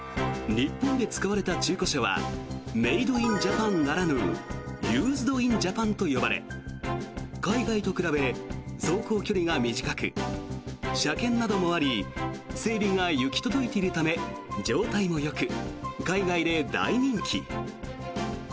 日本で使われた中古車はメイド・イン・ジャパンならぬユーズド・イン・ジャパンと呼ばれ海外と比べ走行距離が短く車検などもあり整備が行き届いているため状態もよく海外で大人気。